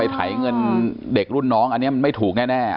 ไถเงินเด็กรุ่นน้องอันนี้มันไม่ถูกแน่